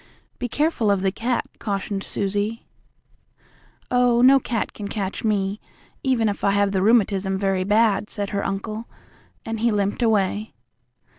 "Be careful of the cat," cautioned Susie. "Oh, no cat can catch me, even if I have the rheumatism very bad," said her uncle, and he limped away.